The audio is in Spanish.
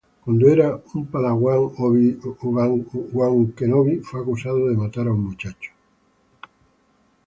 Cuando era un Padawan, Obi-Wan Kenobi fue acusado de matar a un muchacho.